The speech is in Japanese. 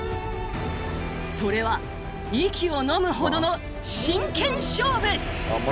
それは息をのむほどの真剣勝負！